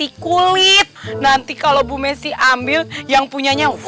aku akan menganggap